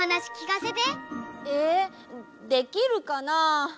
えできるかな？